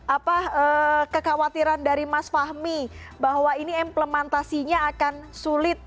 apa kekhawatiran dari mas fahmi bahwa ini implementasinya akan sulit